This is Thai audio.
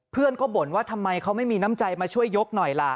เพื่อนก็บ่นว่าทำไมเขาไม่มีน้ำใจมาช่วยยกหน่อยล่ะ